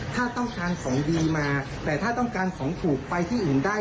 ถ้าต้องการของดีมาแต่ถ้าต้องการของถูกไปที่อื่นได้